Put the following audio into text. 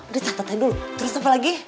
udah catet aja dulu terus apa lagi